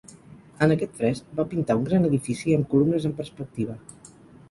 En aquest fresc, va pintar un gran edifici amb columnes en perspectiva.